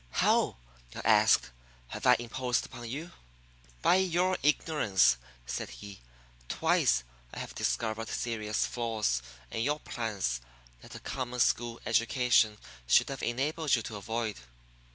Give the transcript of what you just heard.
"How," I asked, "have I imposed upon you?" "By your ignorance," said he. "Twice I have discovered serious flaws in your plans that a common school education should have enabled you to avoid.